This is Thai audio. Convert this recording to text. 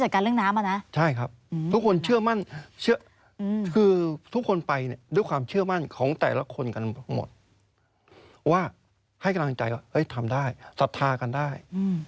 ทุกคนกันหมดว่าให้กำลังใจว่าทำได้ศรัทธากันได้